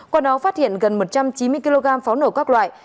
qua đó phát hiện gần một trăm chín mươi kg pháo nổ các loại